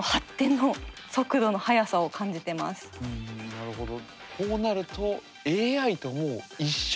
なるほど。